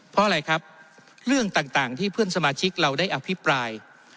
เพราะอะไรครับเรื่องต่างที่เพื่อนสมาชิกเราได้อภิปราย